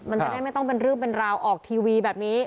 มันจะได้ไม่ต้องเป็นเรื่องเป็นราวออกทีวีแบบนี้